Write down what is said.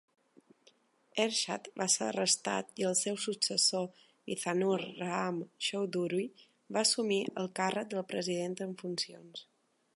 Ershad va ser arrestat i el seu successor, Mizanur Rahman Chowdhury, va assumir el càrrec de president en funcions.